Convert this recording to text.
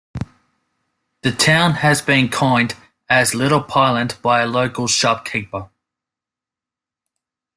The town has been coined as "Little Poland" by a local shopkeeper.